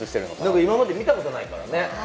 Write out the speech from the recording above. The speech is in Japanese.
今まで見たことないからね。